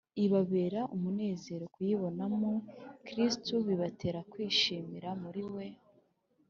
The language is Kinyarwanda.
ibabera umunezero kuyibonamo kristo bibatera kwishimira muri we